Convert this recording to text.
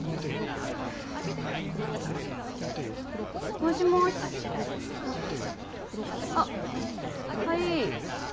もしもしあっはいい